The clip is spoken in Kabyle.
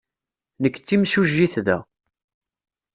Nekk d timsujjit da.